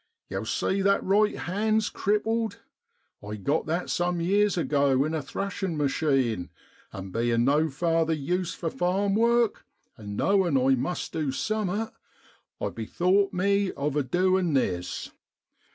Yow see that right hand's crippled; I got that some yeers ago in a thrashin' machine, and bein' no farther use for farm work, and knowin' I .must du summat, I bethowt me of doin a this.